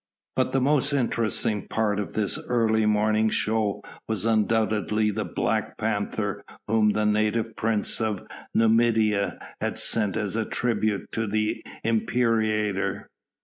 But the most interesting part of this early morning show was undoubtedly the black panther whom the native prince of Numidia had sent as a tribute to the imperator.